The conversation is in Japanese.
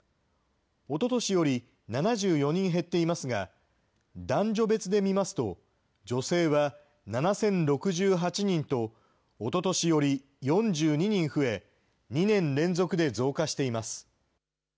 おととしより７４人減っていますが、男女別で見ますと、女性は７０６８人と、おととしより４２人増え、２年連続で増加しています。